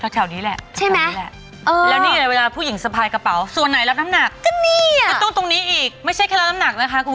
เธอว่าส่วนไหนรับน้ำหนัก